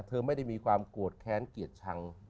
เธอไม่ได้มีความโกรธแค้นเกลียดชัง